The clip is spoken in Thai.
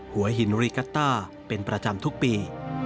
หัวหินริกัตต้าเป็นประจำทุกปี